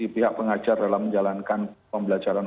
pihak pengajar dalam menjalankan pembelajaran